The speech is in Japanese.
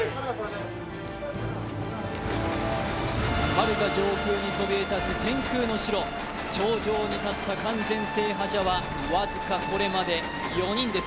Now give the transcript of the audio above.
はるか上空にそびえ立つ天空の城、頂上に立った完全制覇者は僅かこれまで４人です。